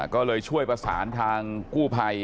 ก็เลยช่วยประสานทางกู้ภัย